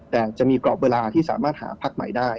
แต่จะมีกรอบเวลาที่สามารถหาพักใหม่ได้